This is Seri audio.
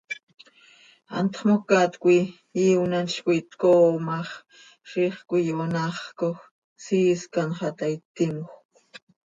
Hantx mocat coi iionatz coi tcooo ma x, ziix cöiyonaxcoj, siiscan xah taa, ittimjöc.